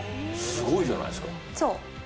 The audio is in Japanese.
すごいじゃないですか。